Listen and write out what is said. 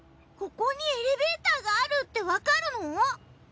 ここにエレベーターがあるってわかるの？